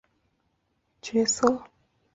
阿丽安萝德中扮演了其最重要的角色。